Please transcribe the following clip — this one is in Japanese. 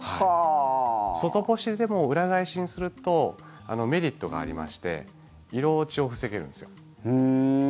外干しでも裏返しにするとメリットがありまして色落ちを防げるんですよ。